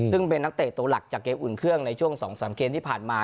ซึ่งเป็นนักเตะตัวหลักจากเกมอุ่นเครื่องในช่วง๒๓เกมที่ผ่านมา